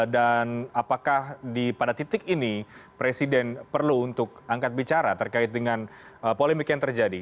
dan apakah pada titik ini presiden perlu untuk angkat bicara terkait dengan polemik yang terjadi